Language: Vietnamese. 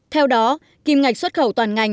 theo đó kim ngạch xuất khẩu toàn ngành